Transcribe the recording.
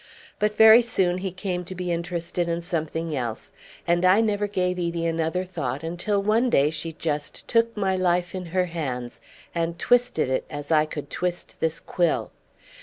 But very soon he came to be interested in something else, and I never gave Edie another thought until one day she just took my life in her hands and twisted it as I could twist this quill.